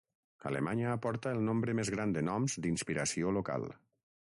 Alemanya aporta el nombre més gran de noms d'inspiració local.